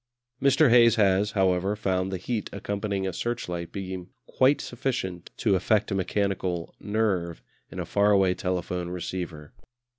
Mr. Hayes has, however, found the heat accompanying a searchlight beam quite sufficient to affect a mechanical "nerve" in a far away telephone receiver.